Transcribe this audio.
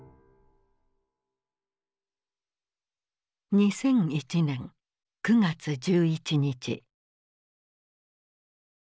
２００１年９月１１日。